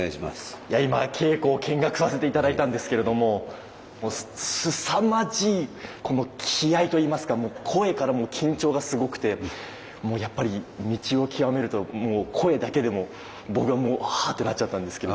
いや今稽古を見学させて頂いたんですけれどももうすさまじいこの気合いといいますかもう声からも緊張がすごくてもうやっぱり道を極めるともう声だけでも僕はもうハーッてなっちゃったんですけど。